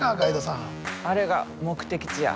あれが目的地や。